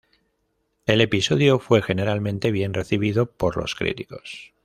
El episodio fue generalmente bien recibido por los críticos.